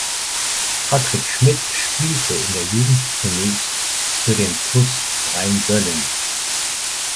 Patrick Schmidt spielte in der Jugend zunächst für den "TuS Rheinböllen".